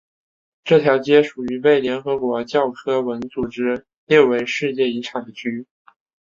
这条街属于被联合国教科文组织列为世界遗产的区域。